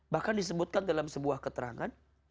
bahkan disebutkan dalam sebuah keterangan